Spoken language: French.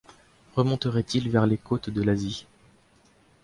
Remonterait-il vers les côtes de l’Asie ?